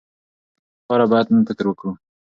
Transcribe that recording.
د تقاعد لپاره باید نن فکر وکړو.